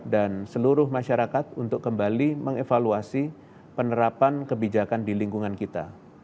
dan seluruh masyarakat untuk kembali mengevaluasi penerapan kebijakan di lingkungan kita